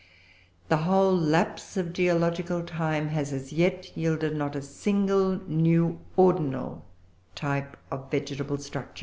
The whole lapse of geological time has as yet yielded not a single new ordinal type of vegetable structure.